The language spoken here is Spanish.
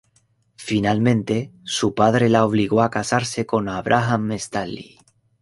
Finalmente, su padre la obligó a casarse con Abraham Stanley.